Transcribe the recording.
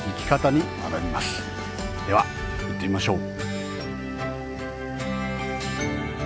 では行ってみましょう！